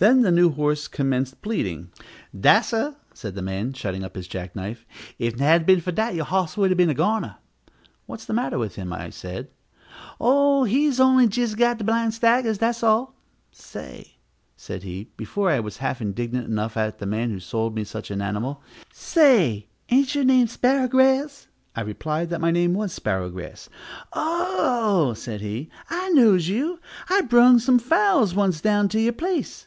Then the new horse commenced bleeding. "Dah, sah," said the man, shutting up his jack knife, "ef 't hadn't been for dat yer, your hos would a' bin a goner." "What was the matter with him?" said I. "Oh, he's only jis got de blind staggers, das all. Say," said he, before I was half indignant enough at the man who had sold me such an animal, "say, ain't your name Sparrowgrass?" I replied that my name was Sparrowgrass. "Oh," said he, "I knows you, I brung some fowls once down to you place.